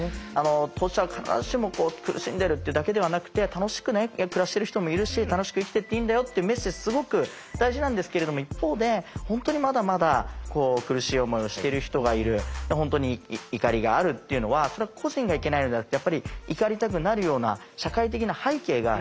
当事者は必ずしも苦しんでるっていうだけではなくて楽しく暮らしてる人もいるし楽しく生きていっていいんだよっていうメッセージすごく大事なんですけれども一方で本当にまだまだこう苦しい思いをしてる人がいる本当に怒りがあるっていうのはそれは個人がいけないのではなくてやっぱり怒りたくなるような社会的な背景がある。